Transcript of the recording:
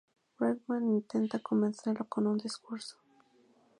Bregman intenta convencerlo con un discurso.